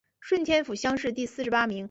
顺天府乡试第四十八名。